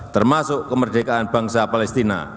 termasuk kemerdekaan bangsa palestina